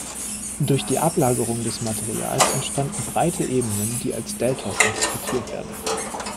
Durch die Ablagerung des Materials entstanden breite Ebenen, die als Deltas interpretiert werden.